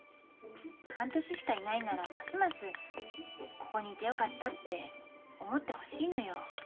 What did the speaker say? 半年しかいないならますますここにいてよかったって思ってほしいのよ。